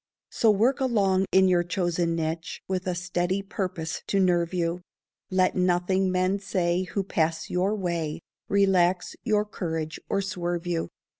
So work along in your chosen niche With a steady purpose to nerve you; Let nothing men say who pass your way Relax your courage or swerve you.